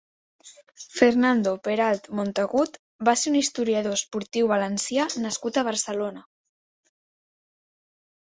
Fernando Peralt Montagut va ser un historiador esportiu valencià nascut a Barcelona.